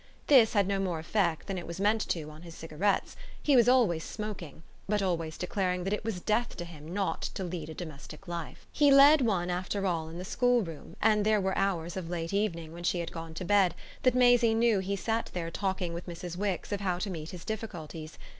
This had no more effect than it was meant to on his cigarettes: he was always smoking, but always declaring that it was death to him not to lead a domestic life. He led one after all in the schoolroom, and there were hours of late evening, when she had gone to bed, that Maisie knew he sat there talking with Mrs. Wix of how to meet his difficulties.